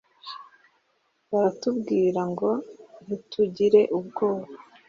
baratubwira ngo ntitugire ubwoba